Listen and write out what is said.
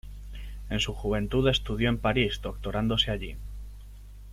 En su juventud estudió en París, doctorándose allí.